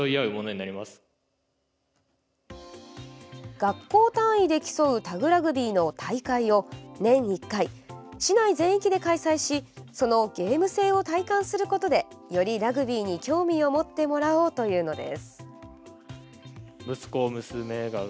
学校単位で競うタグラグビーの大会を年１回、市内全域で開催しそのゲーム性を体感することでより、ラグビーに興味を持ってもらおうというのです。